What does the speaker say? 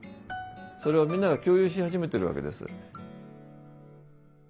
それをみんなが共有し始めてるわけです。